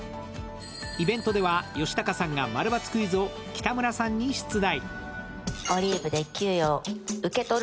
イベントでは吉高さんが○×クイズを北村さんに出題。